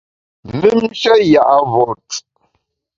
Mümnshe ya’ vot.